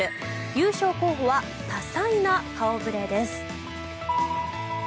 優勝候補は多彩な顔触れです。